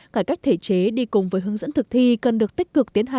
cải cách thể chế đi cùng với hướng dẫn thực thi cần được tích cực